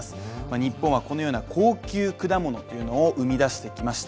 日本はこのような高級果物というものを生み出してきました。